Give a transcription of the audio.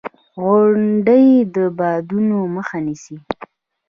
• غونډۍ د بادونو مخه نیسي.